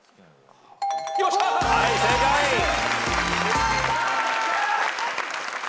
やったー！